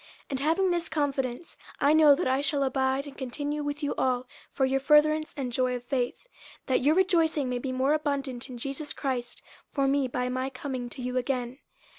50:001:025 And having this confidence, I know that I shall abide and continue with you all for your furtherance and joy of faith; 50:001:026 That your rejoicing may be more abundant in Jesus Christ for me by my coming to you again.